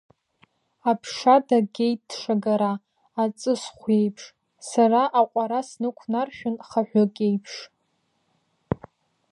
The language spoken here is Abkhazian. Аԥша дагеит дшагара, аҵысхә еиԥш, сара аҟәара снықәнаршәын, хаҳәык еиԥш.